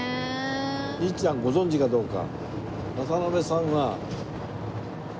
律ちゃんご存じかどうか。